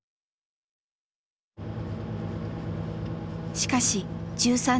しかし１３年前。